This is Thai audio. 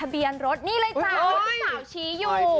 เบียนรถนี่เลยจ้าลูกสาวชี้อยู่